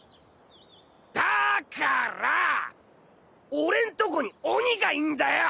俺んとこに鬼がいんだよ！